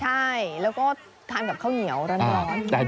ใช่แล้วก็ทานกับข้าวเหนียวร้อน